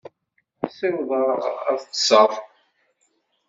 Ssiwḍeɣ ad ṭṭseɣ.